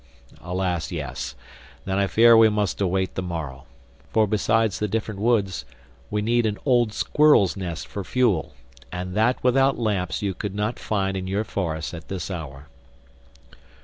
—Alas yes. Then I fear we must await the morrow; for besides the different woods, we need an old squirrel's nest for fuel—And that without lamps you could not find in your forests at this hour."